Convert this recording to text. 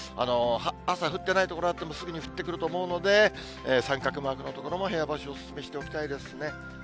朝降ってない所あっても、すぐに降ってくると思うので、三角マークの所も部屋干しお勧めしておきたいですね。